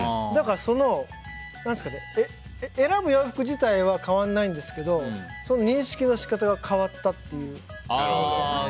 だからその選ぶ洋服自体は変わらないんですけど認識の仕方が変わったっていう。